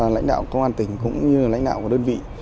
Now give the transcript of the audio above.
lãnh đạo công an tỉnh cũng như lãnh đạo của đơn vị